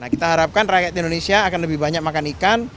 kita harapkan rakyat indonesia akan lebih banyak makan ikan